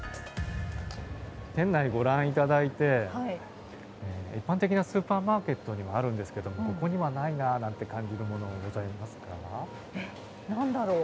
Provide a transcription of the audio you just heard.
店内ご覧いただいて、一般的なスーパーマーケットにはあるんですけれども、ここにはないなぁなんて感じるものございますか？